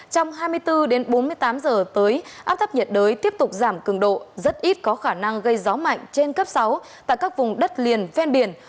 trong hai mươi bốn đến bốn mươi tám giờ tới áp thấp nhiệt đới tiếp tục giảm cường độ rất ít có khả năng gây gió mạnh trên cấp sáu tại các vùng đất liền ven biển